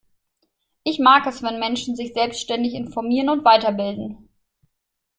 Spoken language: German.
Ich mag es, wenn Menschen sich selbstständig informieren und weiterbilden.